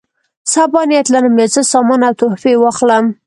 سبا نیت لرم یو څه سامان او تحفې واخلم.